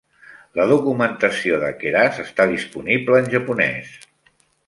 La documentació de Keras està disponible en japonès.